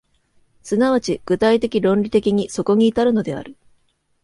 即ち具体的論理的にそこに至るのである。